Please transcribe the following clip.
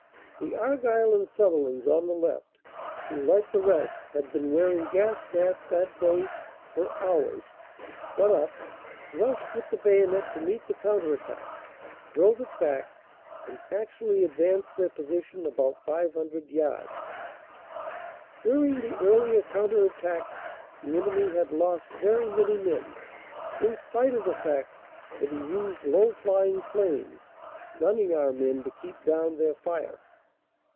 The Argyll and Sutherlands on the left who, like the rest, had been wearing gas masks that day for hours got up, rushed with the bayonet to meet the coun ter attack, drove it back, and actually advanced their position about 500 yards. "During the earlier counter attacks the enemy had lost very many men, in spite of the fact that he used low flying planes, gunning our men to keep down their fire.